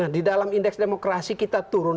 di dalam indeks demokrasi kita turun